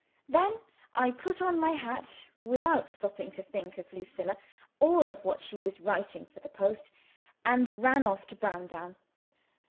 Then, I put on my hat, without stopping to think of Lucilla, or of what she was writing for the post, and ran off to Browndown.